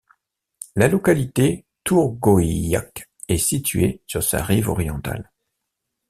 La localité Tourgoïak est située sur sa rive orientale.